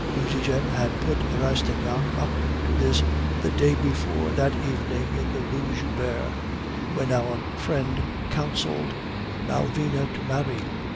Nucingen had put Rastignac up to this the day before that evening in the Rue Joubert when our friend counseled Malvina to marry.